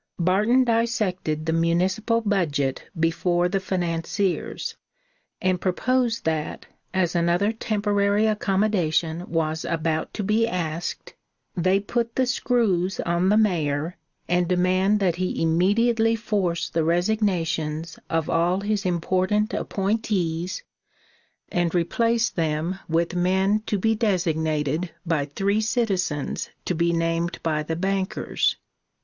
Barton dissected the municipal budget before the financiers, and proposed that, as another temporary accommodation was about to be asked, they put the screws on the mayor and demand that he immediately force the resignations of all his important appointees and replace them with men to be designated by three citizens to be named by the bankers.